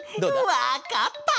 わかった！